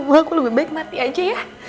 buat aku lebih baik mati aja ya